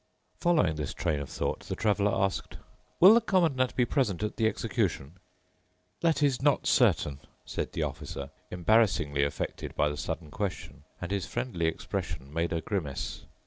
Following this train of thought, the Traveler asked, "Will the Commandant be present at the execution?" "That is not certain," said the Officer, embarrassingly affected by the sudden question, and his friendly expression made a grimace.